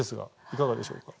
いかがでしょうか？